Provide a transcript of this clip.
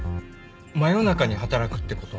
真夜中に働くってこと？